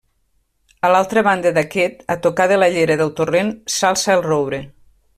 A l'altra banda d'aquest, a tocar de la llera del torrent, s'alça el roure.